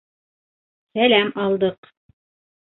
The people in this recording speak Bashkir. Сәләм алдыҡ.